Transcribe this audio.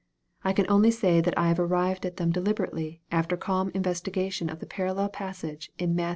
I cau only say that I have arrived at them deliberately, after calm investi gation of the parallel passage in Matt.